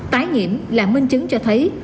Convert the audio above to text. tái nhiễm là minh chứng cho thấy